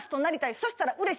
そしたらうれＣ。